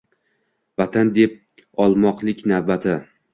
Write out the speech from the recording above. Vatan deb o’lmoqlik navbati